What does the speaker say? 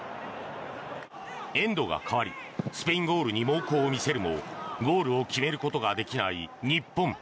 エンドが変わりスペインゴールに猛攻を見せるもゴールを決めることができない日本。